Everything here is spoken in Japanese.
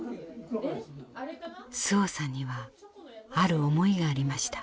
周防さんにはある思いがありました。